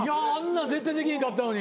絶対できへんかったのに。